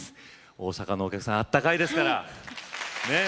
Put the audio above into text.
大阪のお客さんあったかいですから！